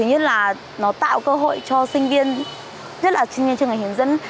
nó tạo cơ hội cho sinh viên nhất là sinh viên trường hành hướng dẫn